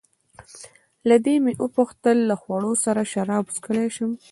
له دې مې وپوښتل: له خوړو سره شراب څښلای شم؟